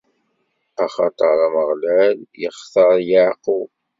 Axaṭer Ameɣlal ixtaṛ Yeɛqub.